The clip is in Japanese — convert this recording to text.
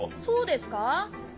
そうですかぁ？